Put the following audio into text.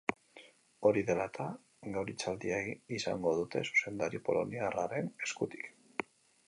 Hori dela eta, gaur hitzaldia izango dute zuzendari poloniarraren eskutik.